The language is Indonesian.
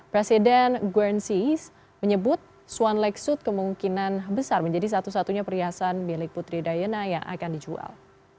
presiden guernseys menyebut swan lake suit kemungkinan besar menjadi satu satunya perhiasan milik putri diana yang akan dijual